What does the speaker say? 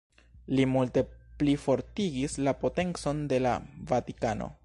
Li multe plifortigis la potencon de la Vatikano.